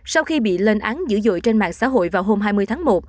sau khi bị lên án dữ dội trên mạng xã hội vào hôm hai mươi tháng một